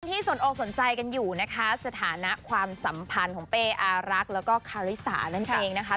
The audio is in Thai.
สนอกสนใจกันอยู่นะคะสถานะความสัมพันธ์ของเป้อารักษ์แล้วก็คาริสานั่นเองนะคะ